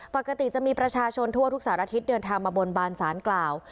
ปกติจะมีประชาชนทั่วทุกสารทิศเดินทางมาบนบานสารกล่าว